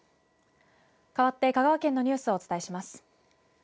かわって香川県のニュースをお伝えします。